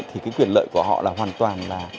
thì cái quyền lợi của họ là hoàn toàn